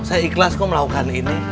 saya ikhlas kok melakukan ini